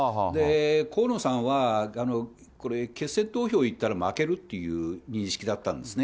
河野さんは、これ、決選投票いったら負けるっていう認識だったんですね。